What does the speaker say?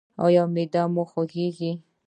ایا معده مو دردیږي؟